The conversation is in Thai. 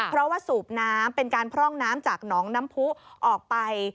เพราะว่าสูบน้ำเป็นการพร่องน้ำจากหนองน้ำผู้ออกไป